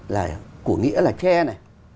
là của nghĩa là tre này